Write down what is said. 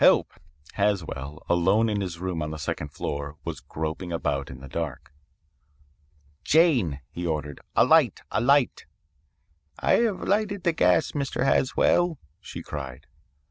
Help!' Haswell, alone in his room on the second floor, was groping about in the dark. "'Jane,' he ordered, 'a light a light.' "'I have lighted the gas, Mr. Haswell,' she cried.